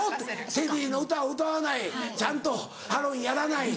テディの歌を歌わないちゃんとハロウィーンやらない。